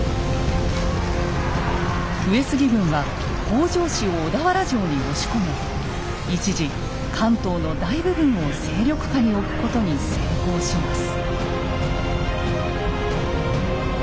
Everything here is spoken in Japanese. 上杉軍は北条氏を小田原城に押し込め一時関東の大部分を勢力下に置くことに成功します。